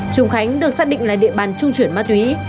trùng khánh được xác định là địa bàn trung chuyển ma túy